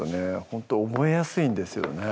ほんと覚えやすいんですよね